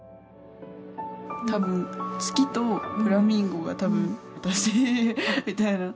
多分月とフラミンゴが多分私みたいな。